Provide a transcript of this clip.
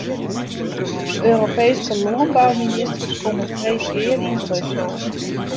De Europeeske lânbouministers komme freed gear yn Brussel.